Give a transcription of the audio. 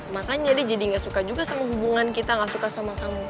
makanya dia jadi gak suka juga sama hubungan kita gak suka sama kamu